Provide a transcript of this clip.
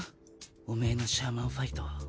オメエのシャーマンファイトは。